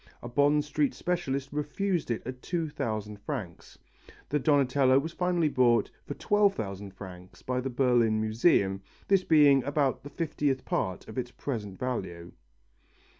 A Bond Street specialist refused it at two thousand francs. The Donatello was finally bought for 12,000 francs by the Berlin Museum, this being about the fiftieth part of its present value.